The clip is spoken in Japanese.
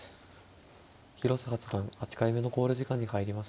広瀬八段８回目の考慮時間に入りました。